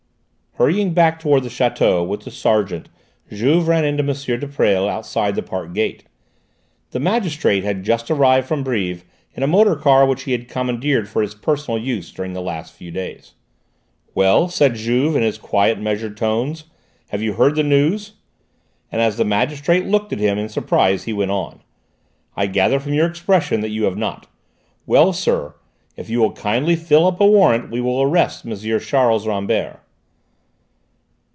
Hurrying back towards the château with the sergeant, Juve ran into M. de Presles outside the park gate. The magistrate had just arrived from Brives in a motor car which he had commandeered for his personal use during the last few days. "Well," said Juve in his quiet, measured tones, "have you heard the news?" And as the magistrate looked at him in surprise he went on: "I gather from your expression that you have not. Well, sir, if you will kindly fill up a warrant we will arrest M. Charles Rambert."